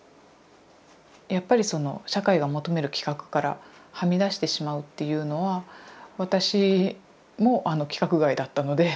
やっぱりその社会が求める規格からはみ出してしまうっていうのは私も規格外だったので。